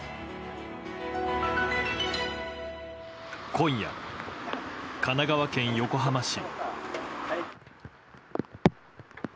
今夜、神奈川県横浜市。